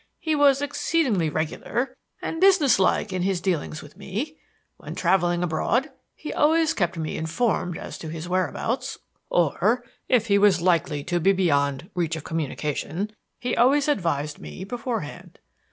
He was exceedingly regular and business like in his dealings with me. When traveling abroad he always kept me informed as to his whereabouts, or, if he was likely to be beyond reach of communication, he always advised me beforehand.